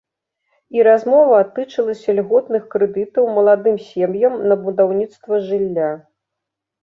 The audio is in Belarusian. І размова тычылася льготных крэдытаў маладым сем'ям на будаўніцтва жылля.